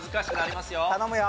頼むよ。